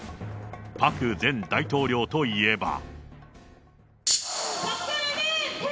パク前大統領といえば。